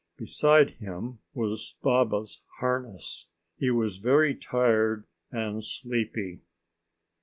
Beside him was Baba's harness. He was very tired and sleepy.